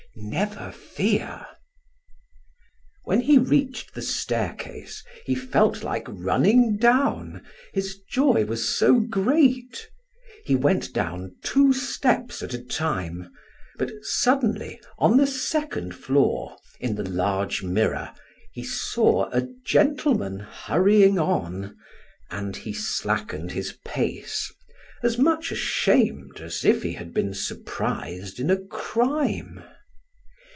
"Never fear!" When he reached the staircase, he felt like running down, his joy was so great; he went down two steps at a time, but suddenly on the second floor, in the large mirror, he saw a gentleman hurrying on, and he slackened his pace, as much ashamed as if he had been surprised in a crime.